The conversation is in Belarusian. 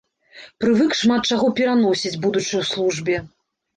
Прывык шмат чаго пераносіць, будучы ў службе.